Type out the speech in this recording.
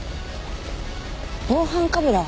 防犯カメラは？